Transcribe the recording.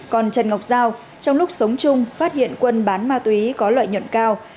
còn trần ngọc giao trong lúc sống chung phát hiện quân bán ma túy có lợi nhuận cao